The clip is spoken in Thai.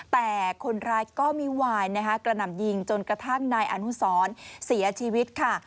แต่คนร้ายก็มิวายนะคะกระหน่ำยิงจนกระทั่งนายอนุสรเสียชีวิตค่ะ